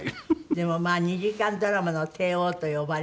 でも２時間ドラマの帝王と呼ばれて。